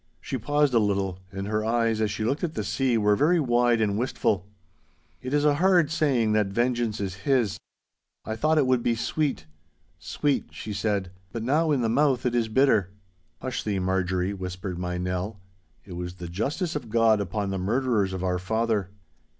She paused a little, and her eyes, as she looked at the sea, were very wide and wistful. 'It is a hard saying that "Vengeance is His." I thought it would be sweet—sweet,' she said, 'but now in the mouth it is bitter.' 'Hush thee, Marjorie,' whispered my Nell; 'it was the justice of God upon the murderers of our father.